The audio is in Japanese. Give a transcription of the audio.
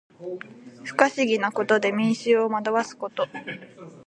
不可思議なことで民衆を惑わすこと。